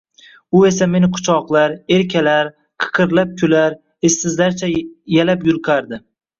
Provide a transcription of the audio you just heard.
U esa meni quchoqlar, erkalar, qiqirlab kular, essizlarcha yalab-yulqardi